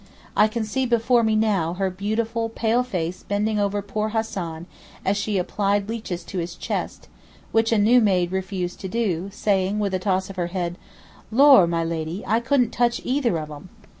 I can see before me now her beautiful pale face bending over poor Hassan as she applied leeches to his chest, which a new maid refused to do, saying, with a toss of her head, 'Lor! my lady, I couldn't touch either of 'em!